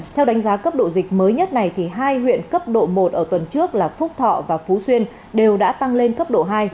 theo đánh giá cấp độ dịch mới nhất này hai huyện cấp độ một ở tuần trước là phúc thọ và phú xuyên đều đã tăng lên cấp độ hai